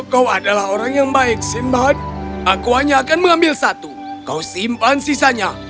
kau adalah orang yang baik simbad aku hanya akan mengambil satu kau simpan sisanya